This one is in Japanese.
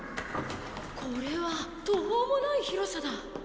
これは途方もない広さだ。